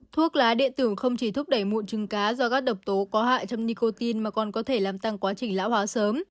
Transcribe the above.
thuốc lá điện tử không chỉ thúc đẩy mụn trứng cá do các độc tố có hại trong nicotin mà còn có thể làm tăng quá trình lão hóa sớm